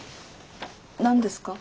何ですか？